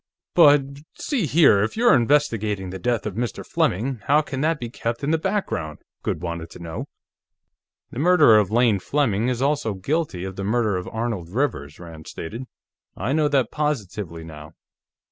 "But.... See here, if you're investigating the death of Mr. Fleming, how can that be kept in the background?" Goode wanted to know. "The murderer of Lane Fleming is also guilty of the murder of Arnold Rivers," Rand stated. "I know that positively, now.